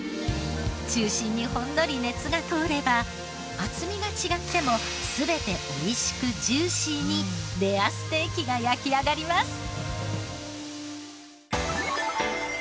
中心にほんのり熱が通れば厚みが違っても全て美味しくジューシーにレアステーキが焼き上がります。